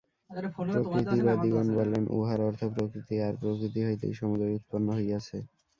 প্রকৃতিবাদিগণ বলেন, উহার অর্থ প্রকৃতি, আর প্রকৃতি হইতেই সমুদয় উৎপন্ন হইয়াছে।